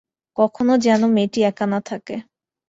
কখনো যেন মেয়েটি একা না থাকে।